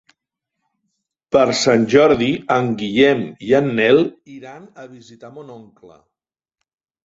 Per Sant Jordi en Guillem i en Nel iran a visitar mon oncle.